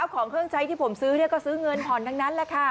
ของเครื่องใช้ที่ผมซื้อก็ซื้อเงินผ่อนทั้งนั้นแหละค่ะ